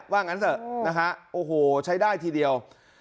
ว่างั้นเถอะนะฮะโอ้โหใช้ได้ทีเดียว